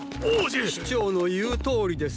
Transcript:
市長の言うとおりです。